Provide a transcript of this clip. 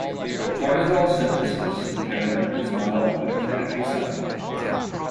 Cortisol synthesis impairment is mild but clinically silent.